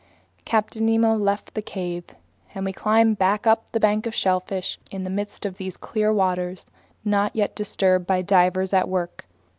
Captain Nemo left the cave, and we climbed back up the bank of shellfish in the midst of these clear waters not yet disturbed by divers at work.